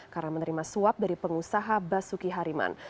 karena menerima suap dari pengusaha basuki hariman